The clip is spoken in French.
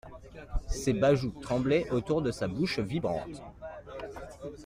Ses bajoues tremblaient autour de sa bouche vibrante.